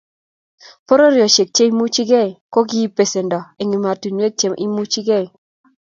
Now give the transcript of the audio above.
Pororiosiek chemoimuchegei ko kiib besendo eng emotinwek che imuchegei